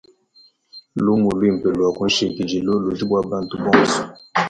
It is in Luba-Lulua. Lumu luimpe lua kunshikidilu ludi bua bantu bonso.